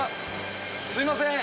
すいません。